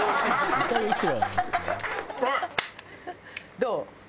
どう？